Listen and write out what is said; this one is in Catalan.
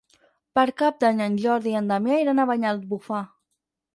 Per Cap d'Any en Jordi i en Damià iran a Banyalbufar.